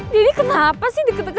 kenapa sih deket deket